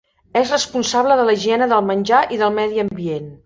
És responsable de la higiene del menjar i del medi ambient.